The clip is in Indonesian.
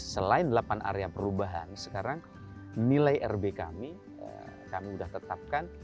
selain delapan area perubahan sekarang nilai rb kami kami sudah tetapkan